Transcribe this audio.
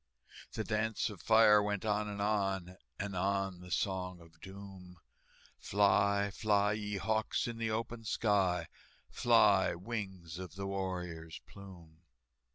The dance of fire went on and on, And on the Song of Doom, "Fly, fly, ye hawks, in the open sky, Fly, wings of the warrior's plume!"